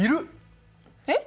えっ？